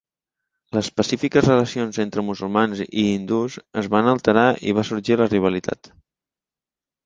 Les pacífiques relacions entre musulmans i hindús es van alterar i va sorgir la rivalitat.